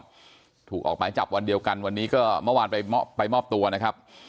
พูดถูกอกหมายจับวันเดียวกันวันนี้ก็มอบตัวนะครับ